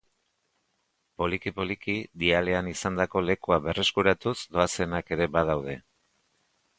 Poliki-poliki, dialean izandako lekua berreskuratuz doazenak ere badaude.